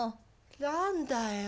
何だよ？